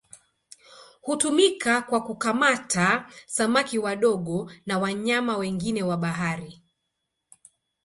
Hutumika kwa kukamata samaki wadogo na wanyama wengine wa bahari.